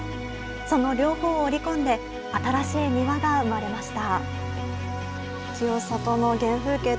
その両方を織り込んで新しい庭が生まれました。